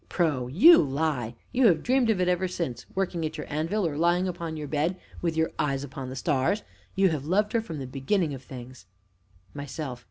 PRO. You lie! You have dreamed of it ever since, working at your anvil, or lying upon your bed, with your eyes upon the stars; you have loved her from the beginning of things! MYSELF.